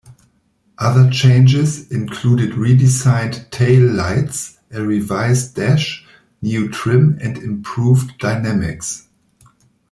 Other changes included redesigned tail-lights, a revised dash, new trim and improved dynamics.